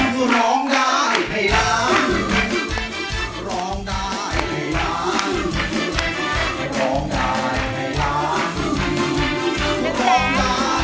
ดังแปร๊ง